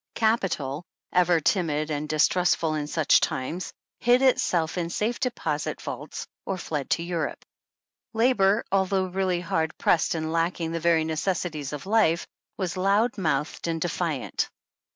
Capital, ever timid and distrust ful in such times, hid itself in safe deposit vaults, or fled to Europe. Labor, although teally hard pressed and lacking the very necessities of life, was loud mouthed and defiant.